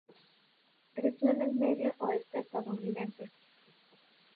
Creció en el medio oeste estadounidense.